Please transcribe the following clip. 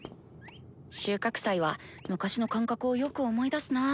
収穫祭は昔の感覚をよく思い出すなぁ。